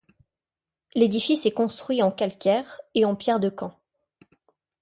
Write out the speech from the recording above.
L'édifice est construit en calcaire et en pierre de Caen.